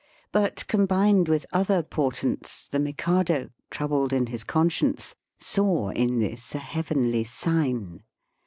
But combined with other portents, the Mikado, troubled in his conscience, saw in this a heavenly sign.